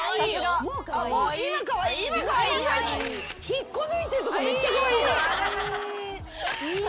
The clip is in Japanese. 引っこ抜いてるとこめっちゃカワイイ。